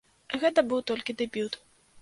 Гэта быў толькі дэбют.